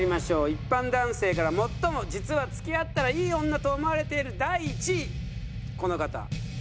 一般男性から最も実は付き合ったらイイ女と思われている第１位この方。